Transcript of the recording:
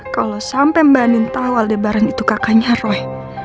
kalau sampe mbak andien tau aldebaran itu kakaknya roy